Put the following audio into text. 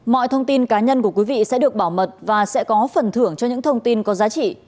mọi thông tin cá nhân của quý vị sẽ được bảo mật và sẽ có phần thưởng cho những thông tin có giá trị